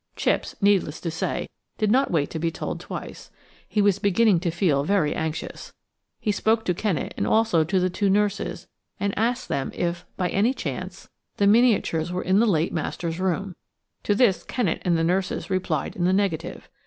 Chipps, needless to say, did not wait to be told twice. He was beginning to feel very anxious. He spoke to Kennet and also to the two nurses, and asked them if, by any chance, the miniatures were in the late master's room. To this Kennet and the nurses replied in the negative.